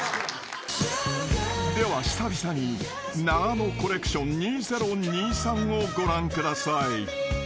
［では久々に永野コレクション２０２３をご覧ください］